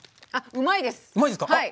うまいですか。